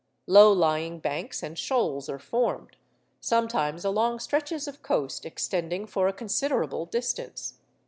Low lying banks and shoals are formed—sometimes along stretches of coast extending for a considerable distance.